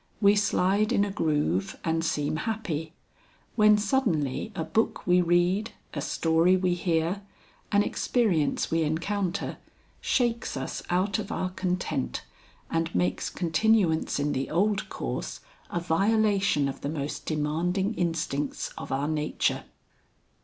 We slide in a groove and seem happy, when suddenly a book we read, a story we hear, an experience we encounter, shakes us out of our content, and makes continuance in the old course a violation of the most demanding instincts of our nature.